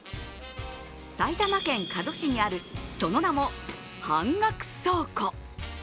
埼玉県加須市にあるその名も、半額倉庫。